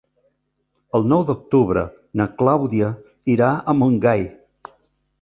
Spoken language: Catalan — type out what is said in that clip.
El nou d'octubre na Clàudia irà a Montgai.